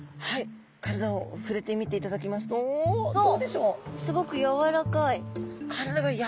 体をふれてみていただきますとどうでしょう？